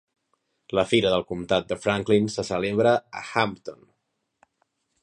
La Fira del Comtat de Franklin se celebra a Hampton.